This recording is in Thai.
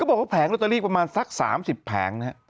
บอกว่าแผงลอตเตอรี่ประมาณสัก๓๐แผงนะฮะ